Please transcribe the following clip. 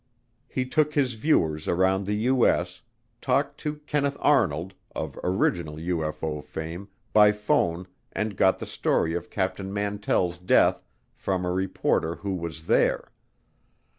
He took his viewers around the U.S., talked to Kenneth Arnold, of original UFO fame, by phone and got the story of Captain Mantell's death from a reporter "who was there."